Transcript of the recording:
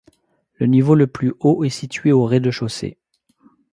Le niveau le plus haut est situé au rez-de-chaussée.